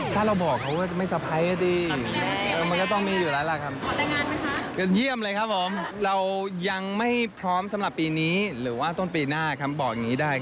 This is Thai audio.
ถ้าเราบอกเขาไม่สะพายเถอะดี